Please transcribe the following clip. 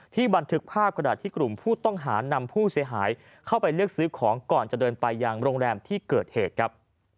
บันทึกภาพกระดาษที่กลุ่มผู้ต้องหานำผู้เสียหายเข้าไปเลือกซื้อของก่อนจะเดินไปยังโรงแรมที่เกิดเหตุครับ